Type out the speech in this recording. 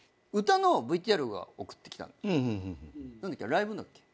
ライブのだっけ？